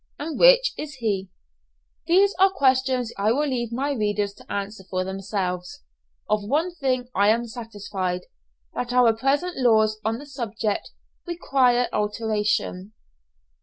and which is he? These are questions I will leave my readers to answer for themselves. Of one thing I am satisfied, that our present laws on the subject require alteration.